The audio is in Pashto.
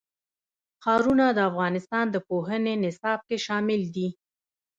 ښارونه د افغانستان د پوهنې نصاب کې شامل دي.